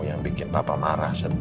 yang bikin bapak marah sedih